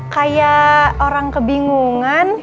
kayak orang kebingungan